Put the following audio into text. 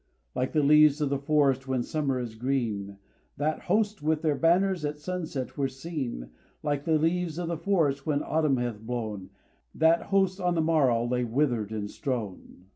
Like the leaves of the forest when Summer is green, That host with their banners at sunset were seen : Like the leaves of the forest when Autumn hath blown, That host on the morrow lay withered and strown.